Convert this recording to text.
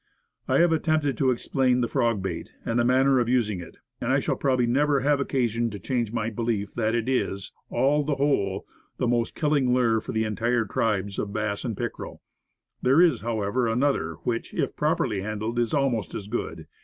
I have attempted to explain the frog bait, and the manner of using it, and I shall probably never have occasion to change my belief that it is, on the whole, the most killing lure for the entire tribes of bass and pickerel. There is, however, another, which, if properly handled, is almost as good.